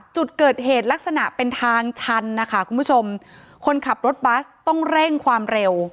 จุดเกิดเหตุลักษณะเป็นทางชันนะคะคุณผู้ชมคนขับรถบัสต้องเร่งความเร็ว